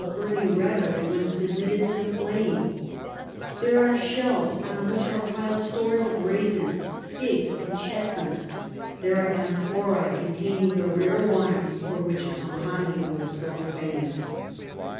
] burning readily when submitted to the flame; there are shelves, on which are piled stores of raisins, figs and chestnuts; there are amphorae containing the rare wine for which Campania was so famous."